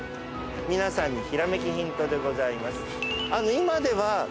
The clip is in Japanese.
皆さんにひらめきヒントでございます。